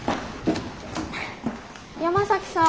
山崎さん